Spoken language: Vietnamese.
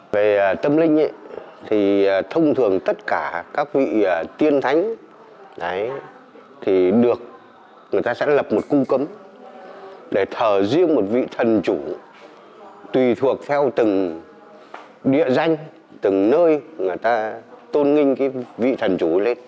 về tâm linh thì thông thường tất cả các vị tiên thánh được người ta sẵn lập một cung cấm để thờ riêng một vị thần chủ tùy thuộc theo từng địa danh từng nơi người ta tôn nghinh vị thần chủ lên